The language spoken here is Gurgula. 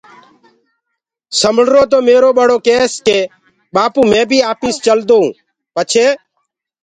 سمݪرو تو ميرو ٻڙو ڪيس ڪي ٻآپو مي بيٚ آپيس چلدون پڇي